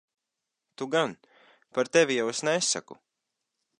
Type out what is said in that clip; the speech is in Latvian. Tu gan. Par tevi jau es nesaku.